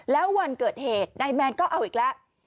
แล้ววันเกิดเหตุนายแมนก็เอาอีกแล้ว